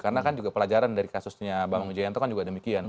karena kan juga pelajaran dari kasusnya bang ujaya yanto kan juga demikian